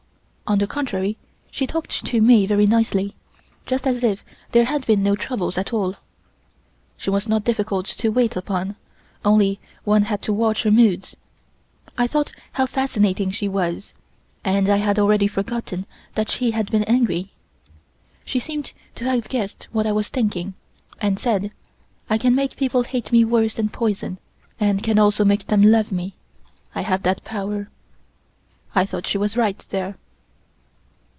On the contrary, she talked to me very nicely, just as if there had been no troubles at all. She was not difficult to wait upon, only one had to watch her moods. I thought how fascinating she was, and I had already forgotten that she had been angry. She seemed to have guessed what I was thinking, and said: "I can make people hate me worse than poison, and can also make them love me. I have that power." I thought she was right there.